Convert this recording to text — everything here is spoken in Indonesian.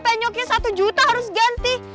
penyoknya satu juta harus ganti